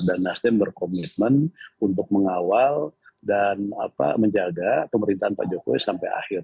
dan nasdem berkomitmen untuk mengawal dan menjaga pemerintahan pak jokowi sampai akhir